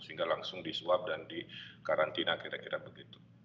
sehingga langsung di swab dan di karantina kira kira begitu